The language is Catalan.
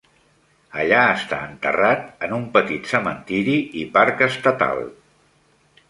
Allà està enterrat en un petit cementiri i parc estatal.